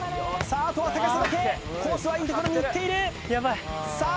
あとは高さだけコースはいい所に行っているさあ